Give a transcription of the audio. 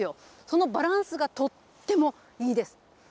そのバランスがとってもいいです。